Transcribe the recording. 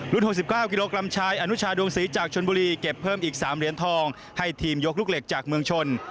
๖๙กิโลกรัมชายอนุชาดวงศรีจากชนบุรีเก็บเพิ่มอีก๓เหรียญทองให้ทีมยกลูกเหล็กจากเมืองชน